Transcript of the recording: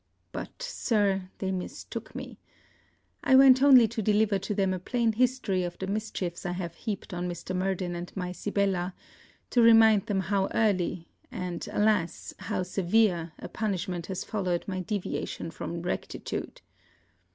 But, Sir, they mistook me. I went only to deliver to them a plain history of the mischiefs I have heaped on Mr. Murden and my Sibella, to remind them how early, and, alas! how severe a punishment has followed my deviation from rectitude.